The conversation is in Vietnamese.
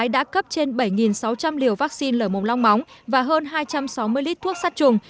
đã cấp trên bảy sáu trăm linh liều vaccine lở mồm long móng và hơn hai trăm sáu mươi lít thuốc sát trùng